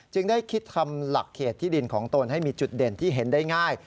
ได้คิดทำหลักเขตที่ดินของตนให้มีจุดเด่นที่เห็นได้ง่าย